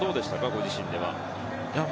ご自身では。